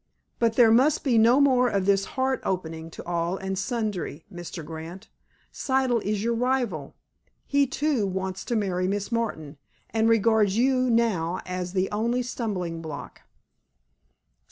But there must be no more of this heart opening to all and sundry, Mr. Grant. Siddle is your rival. He, too, wants to marry Miss Martin, and regards you now as the only stumbling block."